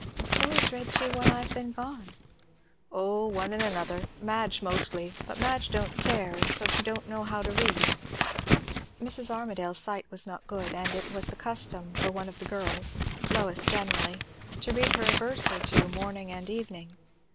"Who has read to you while I have been gone?" "O, one and another. Madge mostly; but Madge don't care, and so she don' know how to read." Mrs. Armadale's sight was not good; and it was the custom for one of the girls, Lois generally, to read her a verse or two morning and evening.